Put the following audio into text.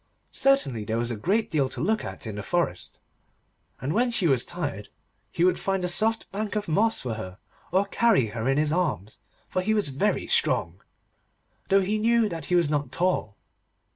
Certainly there was a great deal to look at in the forest, and when she was tired he would find a soft bank of moss for her, or carry her in his arms, for he was very strong, though he knew that he was not tall.